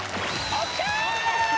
ＯＫ